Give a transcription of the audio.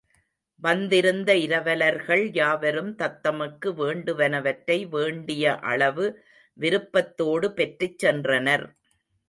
வந்திருந்த இரவலர்கள் யாவரும், தத்தமக்கு வேண்டுவனவற்றை வேண்டிய அளவு விருப்பத்தோடு பெற்றுச் சென்றனர்.